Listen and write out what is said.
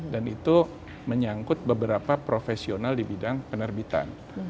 dan itu menyangkut beberapa profesional di bidang penerbitan